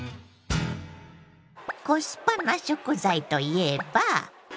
コスパな食材といえば。